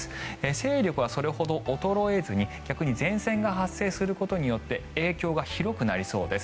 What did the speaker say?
勢力はそれほど衰えずに逆に前線が発生することで影響が広くなりそうです。